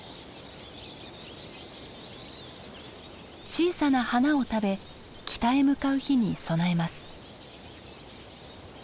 小さな花を食べ北へ向かう日に備えます。